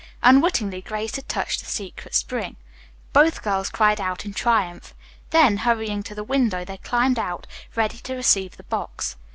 Unwittingly Grace had touched the secret spring. Both girls cried out in triumph. Then, hurrying to the window, they climbed out, ready to receive the box.